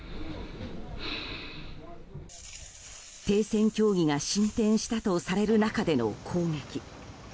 停戦協議が進展したとされる中での攻撃。